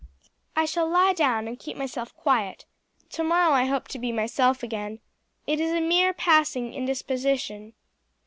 "I shall lie down and keep myself quiet. Tomorrow I hope to be myself again. It is a mere passing indisposition."